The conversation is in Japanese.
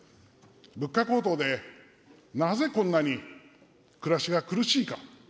物価高騰でなぜこんなに暮らしが苦しいか。